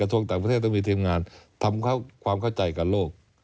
ส่วนต่างประเทศต้องมีทีมงานทำความเข้าใจกับโลก